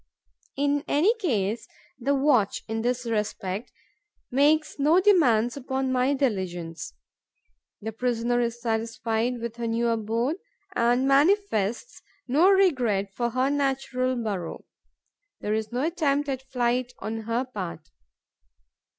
In any case, the watch, in this respect, makes no demands upon my diligence. The prisoner is satisfied with her new abode and manifests no regret for her natural burrow. There is no attempt at flight on her part.